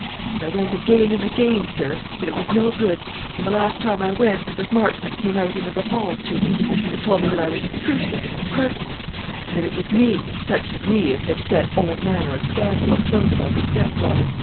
And I went again and again, sir; but it was no good; and, the last time I went, Mrs. Marchmont came out into the hall to me, and told me that I was intrusive and impertinent, and that it was me, and such as me, as had set all manner of scandal afloat about her stepdaughter.